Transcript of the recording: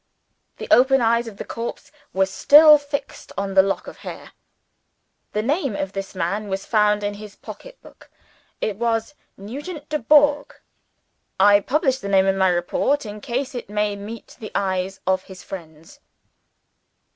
The open eyes of the corpse were still fixed on the lock of hair. "The name of this man was found in his pocket book. It was Nugent Dubourg. I publish the name in my report, in case it may meet the eyes of his friends.